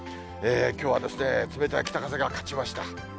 きょうは冷たい北風が勝ちました。